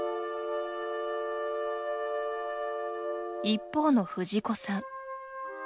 一方の藤子さん。